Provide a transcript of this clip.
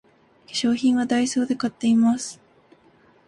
化粧品はダイソーで買っています